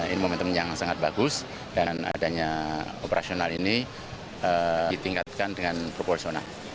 ini momentum yang sangat bagus dan adanya operasional ini ditingkatkan dengan proporsional